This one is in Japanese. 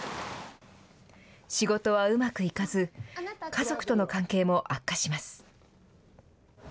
仕事はうまくいかず家族との関係も悪化します。